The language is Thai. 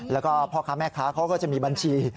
แล้วก็พ่อค้าแม่ค้าเขาก็จะมีบัญชี